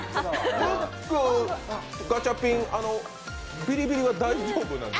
ムック、ガチャピンビリビリは大丈夫なんです？